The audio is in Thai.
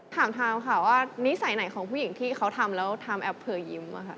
ถามค่ะว่านิสัยไหนของผู้หญิงที่เขาทำแล้วทำแอบเพลวยยิ้ม